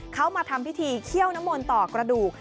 เขามาทำพิธีเขี้ยวน้ำมนต์ต่อกระดูก